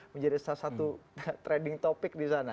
menjadi salah satu trending topic di sana